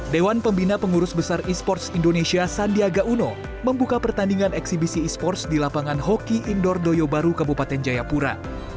dewan pembina pengurus besar e sports indonesia sandiaga uno membuka pertandingan eksibisi e sports di lapangan hoki indoor doyobaru kabupaten jayapura